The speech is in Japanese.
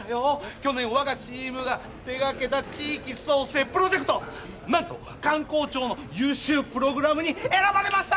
去年我がチームが手がけた地域創生プロジェクト何と観光庁の優秀プログラムに選ばれました